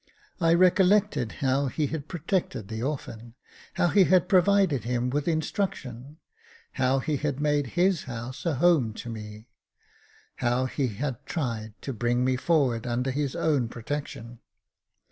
I recollected how he had protected the orphan — how he had provided him with instruction — how he had made his house a home to me — how he had tried to bring me forward under his own protection.